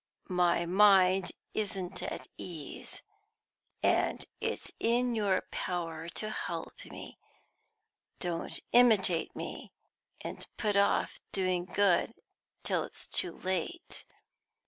"My mind isn't at ease, and it's in your power to help me. Don't imitate me, and put off doing good till it is too late.